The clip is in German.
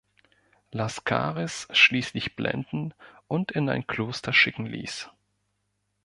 Laskaris schließlich blenden und in ein Kloster schicken ließ.